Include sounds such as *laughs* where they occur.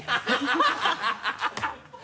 ハハハ *laughs*